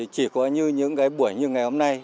chỉ có như những cái buổi như ngày hôm nay